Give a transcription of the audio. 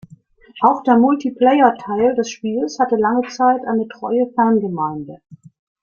Auch der Multiplayer-Teil des Spiels hatte lange Zeit eine treue Fangemeinde.